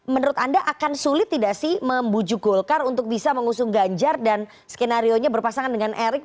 menurut anda akan sulit tidak sih membujuk golkar untuk bisa mengusung ganjar dan skenario nya berpasangan dengan erick